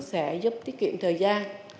sẽ giúp tiết kiệm thời gian